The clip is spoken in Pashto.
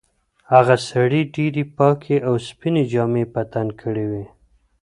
هغه سړي ډېرې پاکې او سپینې جامې په تن کړې وې.